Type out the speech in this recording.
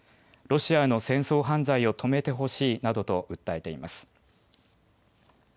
ロシアの戦争犯罪を止めてほしいなどと訴えています。